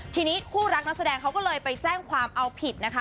ทีนี้คู่รักนักแสดงเขาก็เลยไปแจ้งความเอาผิดนะคะ